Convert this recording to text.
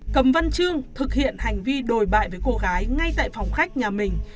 cầm văn trương thực hiện hành vi đồi bại với cô gái ngay tại phòng khách nhà mình